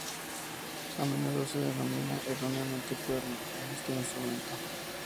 A menudo se denomina erróneamente "cuerno" a este instrumento.